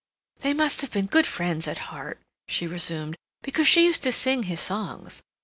"They must have been good friends at heart," she resumed, "because she used to sing his songs.